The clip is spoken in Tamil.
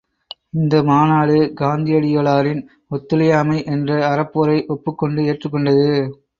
இந்த மாநாடு காந்தியடிகளாரின் ஒத்துழையாமை என்ற அறப்போரை ஒப்புக் கொண்டு ஏற்றுக் கொண்டது.